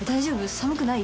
寒くない？